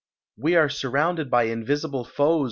"We are surrounded by invisible foes!"